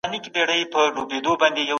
موږ د خپل سبا په اړه پوره معلومات نه لرو.